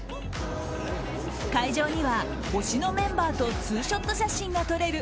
会場には推しのメンバーとツーショット写真が撮れる